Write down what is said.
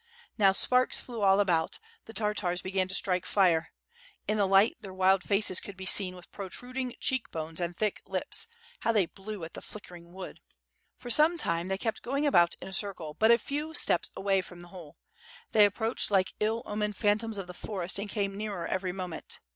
Now sparks flew all about, the Tartars began to strike fire. In the light their wild faces could b$ seen, with protruding cheek bones and thick lips; how they blew at the flickering wood! For some time they kept going about in a circle, but THE PERIL OF ZAGLOBA AND PAN MICHAL. WITH FIRE AND SWORD. 53 , a few steps away from the hole. They approached like ill omened phantoms of the forest, and came nearer every mo ment.